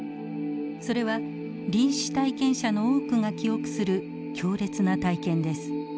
それは臨死体験者の多くが記憶する強烈な体験です。